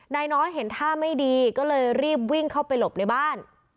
นายน้อยเห็นท่าไม่ดีก็เลยรีบวิ่งเข้าไปหลบในบ้าน